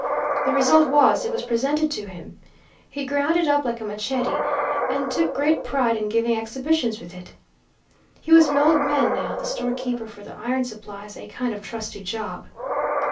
The result was, it was presented to him. He ground it up like a machette, and took great pride in giving exhibitions with it. He was an old man now, the storekeeper for the iron supplies, a kind of trusty job.